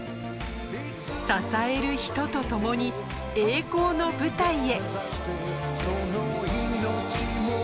支える人と共に、栄光の舞台へ。